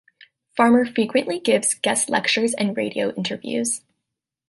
Farmer frequently gives guest lectures and radio interviews.